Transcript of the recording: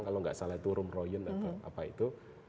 kalau gak salah itu rum royen atau apa itu